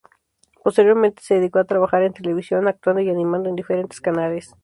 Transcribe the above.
Posteriormente se dedicó a trabajar en televisión, actuando y animando en diferentes canales.